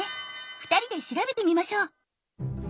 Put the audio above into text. ２人で調べてみましょう。